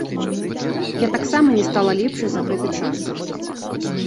Я таксама не стала лепшай за гэты час.